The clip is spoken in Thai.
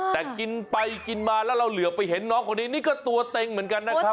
แต่กินไปกินมาแล้วเราเหลือไปเห็นน้องคนนี้นี่ก็ตัวเต็งเหมือนกันนะครับ